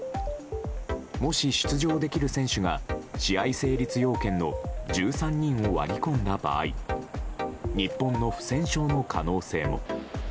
もし出場できる選手が試合成立要件の１３人を割り込んだ場合日本の不戦勝の可能性も。